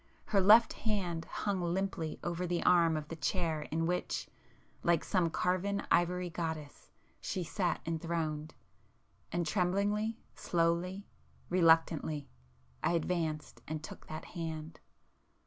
her left hand hung limply over the arm of the chair in which, like some carven ivory goddess, she sat enthroned,—and tremblingly, slowly, reluctantly, I advanced and took that hand.